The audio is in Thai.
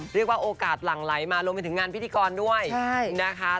เรียกว่าโอกาสหลั่งไหลมารวมไปถึงงานพิธีกรด้วยนะคะ